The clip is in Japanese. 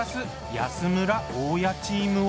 安村・大家チームは。